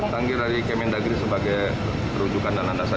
tanggi dari km mendagri sebagai perujukan dan andasan